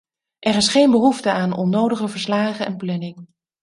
Er is geen behoefte aan onnodige verslagen en planning.